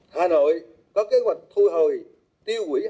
hà nội có kế hoạch thu hồi tiêu quỷ hai năm triệu xe bán máy củ nắp